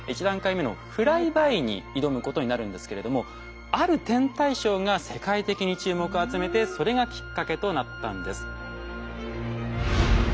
１段階目のフライバイに挑むことになるんですけれどもある天体ショーが世界的に注目を集めてそれがきっかけとなったんです。